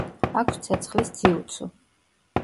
აქვს ცეცხლის ძიუცუ.